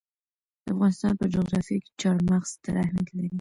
د افغانستان په جغرافیه کې چار مغز ستر اهمیت لري.